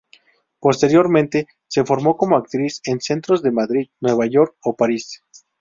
Posteriormente, se formó como actriz en centros de Madrid, Nueva York o París.